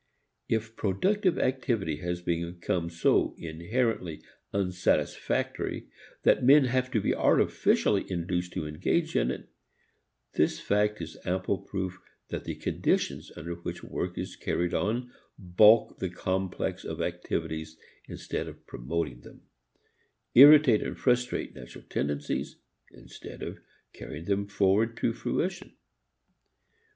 If productive activity has become so inherently unsatisfactory that men have to be artificially induced to engage in it, this fact is ample proof that the conditions under which work is carried on balk the complex of activities instead of promoting them, irritate and frustrate natural tendencies instead of carrying them forward to fruition.